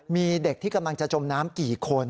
มีเด็กที่กำลังจะจมน้ำกี่คน